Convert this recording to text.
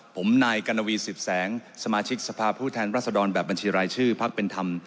ผมนายกัณวี๑๐แสงสมาชิกสภาพผู้แทนรัศดรแบบบัญชีรายชื่อพักเป็นธรรม